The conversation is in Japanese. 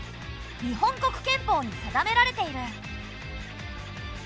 日本国憲法に定められている。